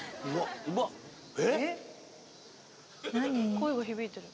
声が響いてる。